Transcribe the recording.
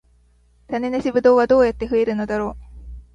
種なしブドウはどうやって増えるのだろう